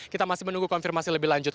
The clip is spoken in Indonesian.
kita masih menunggu konfirmasi lebih lanjut